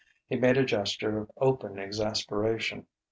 He made a gesture of open exasperation.